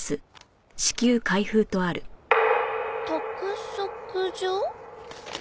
「督促状」？